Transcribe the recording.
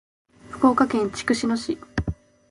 福岡県筑紫野市